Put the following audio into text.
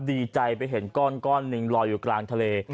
ดีใจไปเห็นก้อนหนึ่งลอยอยู่กลางทะเล